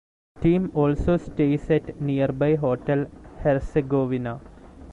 Team also stays at near by Hotel Hercegovina.